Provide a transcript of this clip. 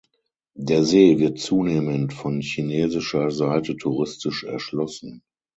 Der See wird zunehmend von chinesischer Seite touristisch erschlossen.